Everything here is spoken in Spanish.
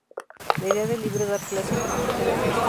La idea del libro es dar clase y prestigio a la artista.